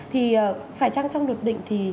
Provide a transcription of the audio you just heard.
thì phải chăng trong được định thì